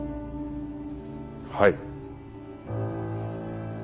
はい。